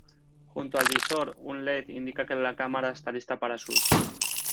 Junto al visor, un led indica que al cámara está lista para su uso.